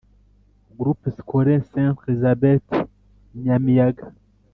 Groupe Scolaire St Elisabeth Nyamiyaga